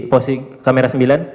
posisi kamera sembilan